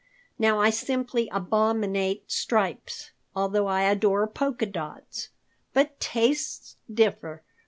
Now I simply abominate stripes, although I adore polka dots. But tastes differ.